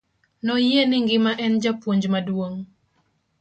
Noyie ni ng'ima en japuonj maduong'.